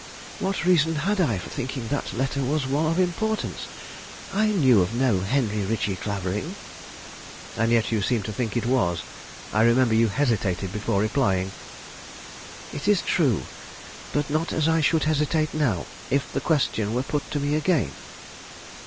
"What reason had I for thinking that letter was one of importance? I knew of no Henry Ritchie Clavering." "And yet you seemed to think it was. I remember you hesitated before replying." "It is true; but not as I should hesitate now, if the question were put to me again."